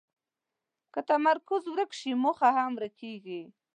که تمرکز ورک شي، موخه هم ورکېږي.